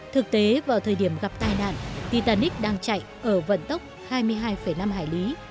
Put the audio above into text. thực tế vào thời điểm gặp tai nạn titanic đang chạy ở vận tốc hai mươi hai năm hải lý